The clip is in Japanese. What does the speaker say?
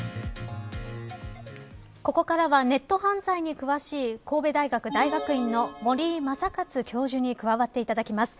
ここからはネット犯罪に詳しい神戸大学大学院の森井昌克教授に加わっていただきます。